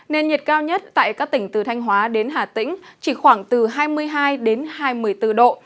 nền nhiệt cao nhất tại các tỉnh từ thanh hóa đến hà tĩnh chỉ khoảng từ hai mươi hai đến hai mươi bốn độ